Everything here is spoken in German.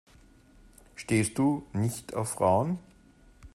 Stehst du nicht auf Frauen?